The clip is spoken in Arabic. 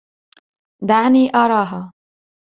دعني أراها.